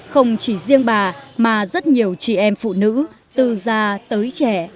không chỉ riêng bà mà rất nhiều chị em phụ nữ từ già tới trẻ